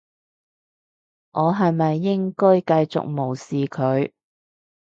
我係咪應該繼續無視佢？